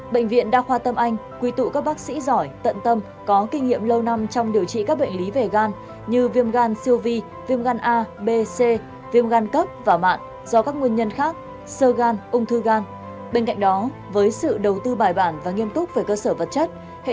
bệnh viện đa khoa tâm anh hân hạnh đồng hành cùng chương trình